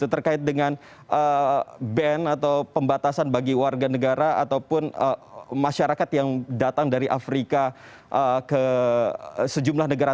terkait dengan ban atau pembatasan bagi warga negara ataupun masyarakat yang datang dari afrika ke sejumlah negara